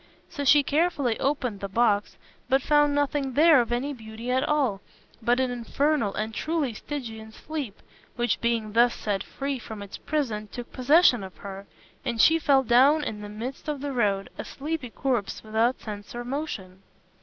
So she carefully opened the box, but found nothing there of any beauty at all, but an infernal and truly Stygian sleep, which being thus set free from its prison, took possession of her, and she fell down in the midst of the road, a sleepy corpse without sense or motion.